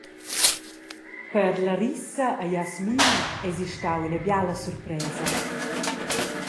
Per Larissa e Jasmin eis ei stau ina biala surpresa.